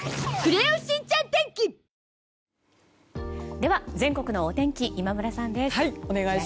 では全国のお天気今村さんです。